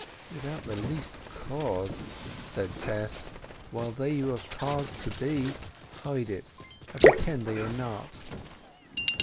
"Without the least cause," said Tess. "While they who have cause to be, hide it, and pretend they are not."